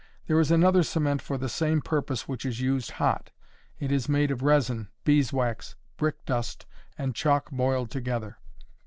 There is another cement for the same purpose which is used hot. It is made of resin, beeswax, brick dust, and chalk boiled together.